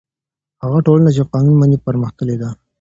هغه ټولنه چې قانون مني پرمختللې ده.